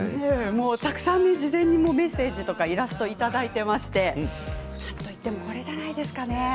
たくさん事前にメッセージやイラストをいただいていましてなんといってもこれじゃないですかね。